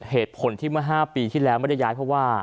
เหตุผลที่เมื่อ๕ปีที่แล้วไม่ได้ย้ายเพราะว่า